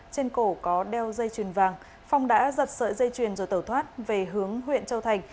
trên cổ có đeo dây chuyền vàng phong đã giật sợi dây chuyền rồi tẩu thoát về hướng huyện châu thành